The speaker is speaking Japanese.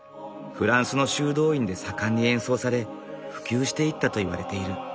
フランスの修道院で盛んに演奏され普及していったといわれている。